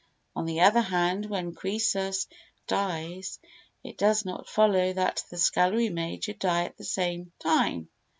On the other hand, when Croesus dies it does not follow that the scullery maid should die at the same time.